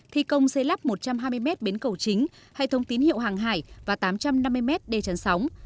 thi công xây lắp một trăm hai mươi m bến cầu chính hệ thống tín hiệu hàng hải và tám trăm năm mươi m đề trấn sóng